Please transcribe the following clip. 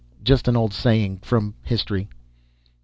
Just an old saying. From history."